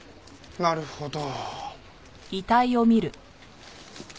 なるほど。